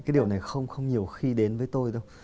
cái điều này không nhiều khi đến với tôi đâu